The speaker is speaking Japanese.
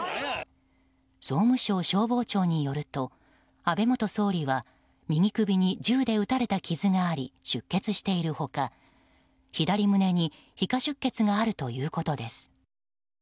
総務省消防庁によると安倍元総理は右首に銃で撃たれた傷があり出血している他左胸に皮下出血があるということです。